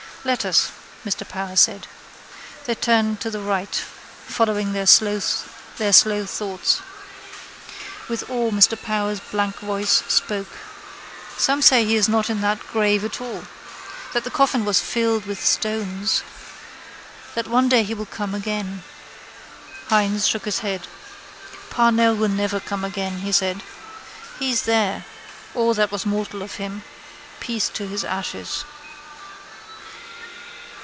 —Let us, Mr Power said. They turned to the right, following their slow thoughts. With awe Mr Power's blank voice spoke: —Some say he is not in that grave at all. That the coffin was filled with stones. That one day he will come again. Hynes shook his head. —Parnell will never come again, he said. He's there, all that was mortal of him. Peace to his ashes.